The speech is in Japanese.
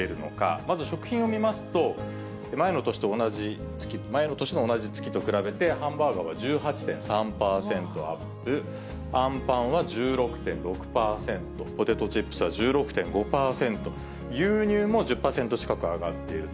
まず食品を見ますと、前の年と同じ月、前の年の同じ月と比べて、ハンバーガーは１８．３％アップ、あんパンは１６．６％、ポテトチップスは１６．５％、牛乳も１０％近く上がっていると。